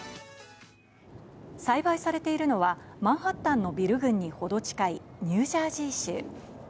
栽培されているのは、マンハッタンのビル群に程近いニュージャージー州。